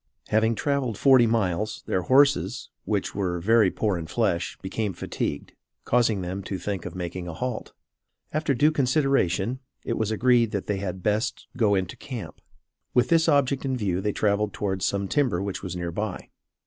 Having traveled forty miles, their horses, which were very poor in flesh, became fatigued, causing them to think of making a halt. After due consultation, it was agreed that they had best go into camp. With this object in view they traveled towards some timber which was near by.